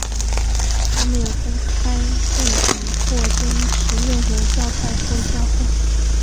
他没有公开认同或坚持任何教派或教会。